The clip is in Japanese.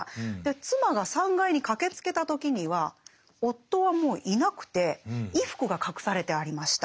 妻が３階に駆けつけた時には夫はもういなくて衣服が隠されてありました。